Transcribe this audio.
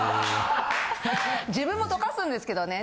自分もとかすんですけどね